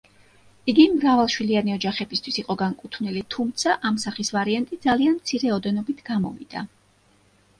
იგი მრავალშვილიანი ოჯახებისთვის იყო განკუთვნილი, თუმცა ამ სახის ვარიანტი ძალიან მცირე ოდენობით გამოვიდა.